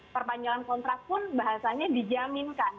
perpanjangan kontrak pun bahasanya dijaminkan